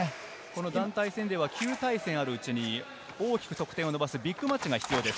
団体戦では９回戦あるうち、大きく得点を伸ばすビッグマッチが必要です。